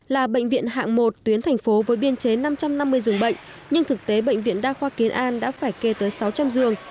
là bệnh viện hạng một tuyến thành phố với biên chế năm trăm năm mươi giường bệnh nhưng thực tế bệnh viện đa khoa kiến an đã phải kê tới sáu trăm linh giường